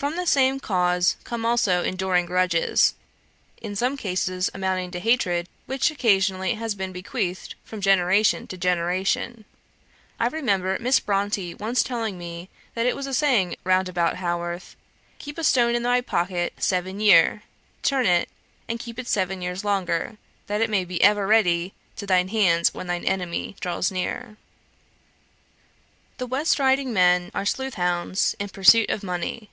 From the same cause come also enduring grudges, in some cases amounting to hatred, which occasionally has been bequeathed from generation to generation. I remember Miss Bronte once telling me that it was a saying round about Haworth, "Keep a stone in thy pocket seven year; turn it, and keep it seven year longer, that it may be ever ready to thine hand when thine enemy draws near." The West Riding men are sleuth hounds in pursuit of money.